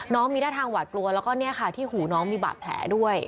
มีท่าทางหวาดกลัวแล้วก็เนี่ยค่ะที่หูน้องมีบาดแผลด้วย